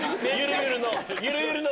ゆるゆるの。